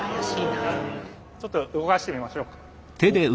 ちょっと動かしてみましょうか。